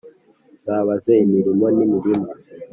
Zabaze imirimo n’imirima,